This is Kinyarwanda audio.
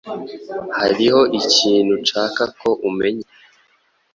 Hariho ikintu nshaka ko umenya.